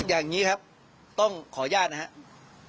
อย่างนี้ครับต้องขออนุญาตนะครับ